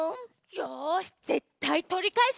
よしぜったいとりかえすわ！